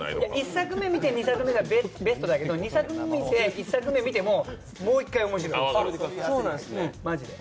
１作目見て、２作目がベストだけど、２作目見て１作目、もう一回、面白い、マジで。